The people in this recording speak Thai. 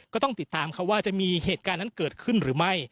ก็ต้องติดตามเขาว่าจะมีเหตุการณ์นั้นเกิดขึ้นหรือไม่